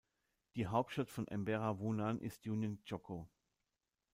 Die Hauptstadt von Emberá-Wounaan ist Unión Chocó.